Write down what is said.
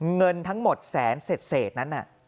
เงินทั้งหมดแสนเสร็จนั่นน่ะ